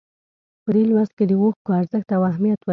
په دې لوست کې د اوښکو ارزښت او اهمیت ولولئ.